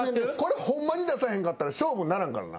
これホンマに出さへんかったら勝負にならんからな。